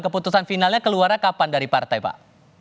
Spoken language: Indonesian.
keputusan finalnya keluarnya kapan dari partai pak